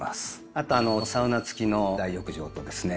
あとサウナ付きの大浴場とですね